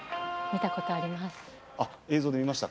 見たことがあります。